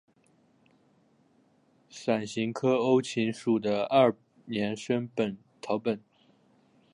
伞形科欧芹属的二年生草本。